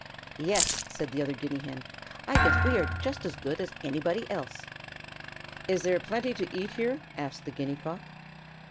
"Yes," said the other Guinea Hen, "I guess we are just as good as anybody else." "Is there plenty to eat here?" asked the Guinea Cock.